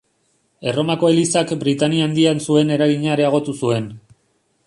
Erromako Elizak Britainia Handian zuen eragina areagotu zuen.